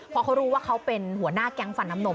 พอเขารู้ว่าเขาเป็นหัวหน้าแก๊งฟันน้ำนม